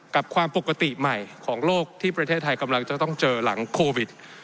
กับความปกติใหม่ของโลกที่ประเทศไทยกำลังจะต้องเจอหลังโควิด